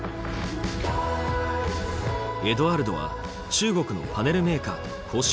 エドアルドは中国のパネルメーカーと交渉。